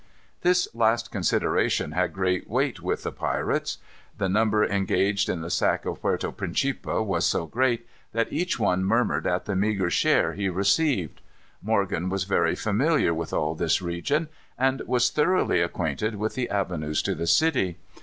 This last consideration had great weight with the pirates. The number engaged in the sack of Puerto Principe was so great, that each one murmured at the meagre share he received. Morgan was very familiar with all this region, and was thoroughly acquainted with the avenues to the city.